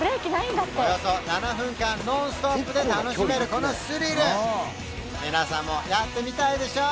およそ７分間ノンストップで楽しめるこのスリル皆さんもやってみたいでしょ？